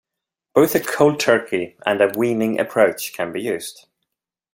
Both a "cold turkey" and a "weaning" approach can be used.